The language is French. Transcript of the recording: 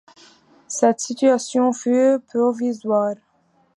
Cette situation fut provisoire.